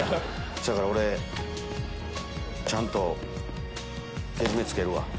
せやから俺ちゃんとケジメつけるわ。